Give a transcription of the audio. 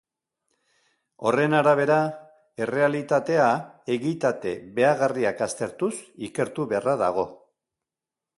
Horren arabera, errealitatea egitate behagarriak aztertuz ikertu beharra dago.